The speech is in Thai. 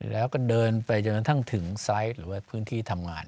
แล้วก็เดินไปจนกระทั่งถึงไซส์หรือว่าพื้นที่ทำงาน